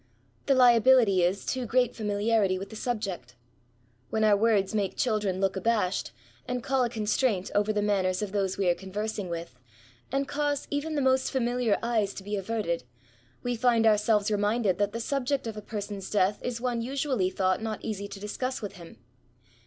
The fiabifity is to too great famifiarity with the subject. When our words make children look abashed, and call a constraint over the manners of those we are conversing with, and cause even the most familiar eyes to be averted, we find ourselves reminded that the subject of a person's death is one usually DEATH TO THB INVALID. 115 thought not easy to discuss with him.